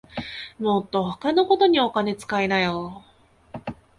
もっと他のことにお金つかいなよ